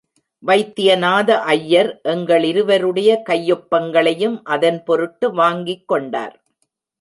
வைத்தியநாத ஐயர் எங்களிருவருடைய கையொப்பங்களையும் அதன் பொருட்டு வாங்கிக் கொண்டார்.